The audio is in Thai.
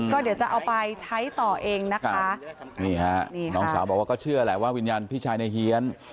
ก็เดี๋ยวจะเอาไปใช้ต่อเองนะคะนี่ฮะนี่น้องสาวบอกว่าก็เชื่อแหละว่าวิญญาณพี่ชายในเฮียน